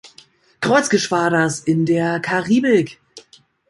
Kreuzergeschwaders in der Karibik.